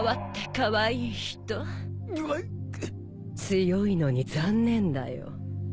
強いのに残念だよ。